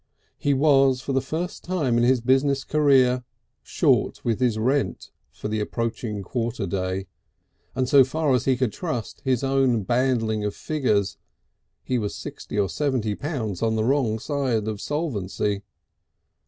He was for the first time in his business career short with his rent for the approaching quarter day, and so far as he could trust his own handling of figures he was sixty or seventy pounds on the wrong side of solvency.